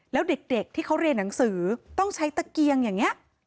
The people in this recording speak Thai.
แล้วเด็กที่เขาเรียนหนังสือต้องใช้ตะเกียงอย่างนี้